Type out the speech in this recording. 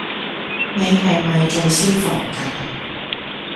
你係咪做消防架